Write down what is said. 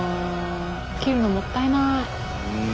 切るのもったいない。